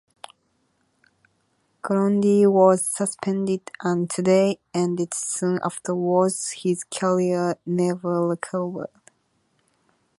Grundy was suspended and "Today" ended soon afterwards; his career never recovered.